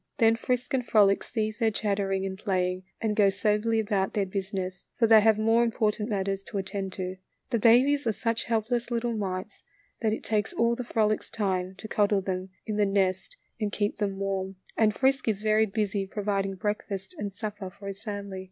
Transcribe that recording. Then Frisk and Frolic cease their chattering and playing and go soberly about their business, for they have more im portant matters to attend to. The babies are such helpless little mites that it takes all of Frolic's time to cuddle them in the nest and 58 THE LITTLE FORESTERS. keep them warm, and Frisk is very busy pro viding breakfast and supper for his family.